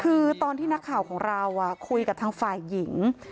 คือตอนที่นักข่าวของเราคุยกับทางฝ่ายหญิง